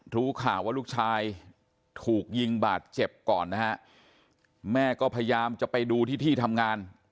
รู้ข่าวว่าลูกชายถูกยิงบาดเจ็บก่อนนะฮะแม่ก็พยายามจะไปดูที่ที่ทำงาน